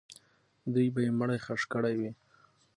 دوی به یې مړی ښخ کړی وي.